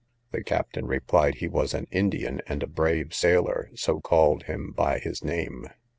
The captain replied, he was an Indian, and a brave sailor, so called him by his name.